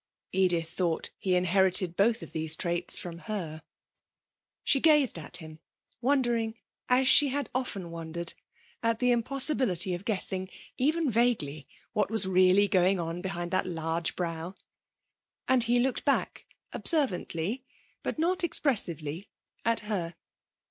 Edith thought he inherited both of these traits from her. She gazed at him, wondering, as she had often wondered, at the impossibility of guessing, even vaguely, what was really going on behind that large brow. And he looked back observantly, but not expressively, at her.